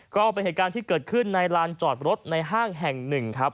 ก็เป็นเหตุการณ์ที่เกิดขึ้นในลานจอดรถในห้างแห่งหนึ่งครับ